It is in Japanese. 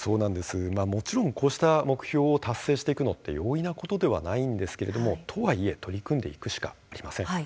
もちろん、こうした目標を達成していくのって容易なことではないんですけれども、とはいえ取り組んでいくしかありません。